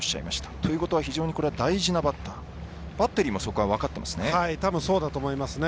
ということは、これは非常に大事なバッターバッテリーもそれを分かっていますね。